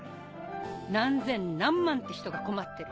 何千何万って人が困ってる。